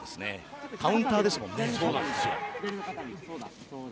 カウンターですもんね。